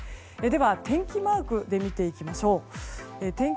天気マークで見ていきましょう。